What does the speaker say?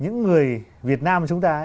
những người việt nam của chúng ta ấy